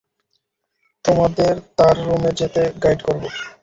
তোমাদের তার রুমে যেতে গাইড করব।